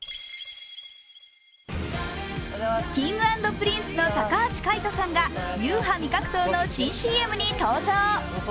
Ｋｉｎｇ＆Ｐｒｉｎｃｅの高橋海人さんがＵＨＡ味覚糖の新ＣＭに登場。